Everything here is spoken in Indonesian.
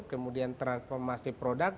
kemudian transformasi produk